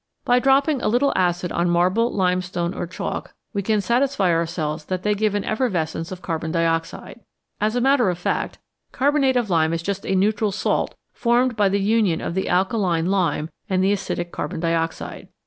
By dropping a little acid on marble, limestone, or chalk, we can satisfy ourselves that they give an effer vescence of carbon dioxide. As a matter of fact, carbonate of lime is just a neutral salt formed by the union of the alkaline lime and the acidic carbon dioxide.